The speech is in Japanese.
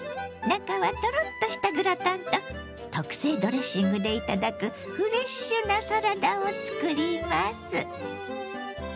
中はトロッとしたグラタンと特製ドレッシングで頂くフレッシュなサラダを作ります。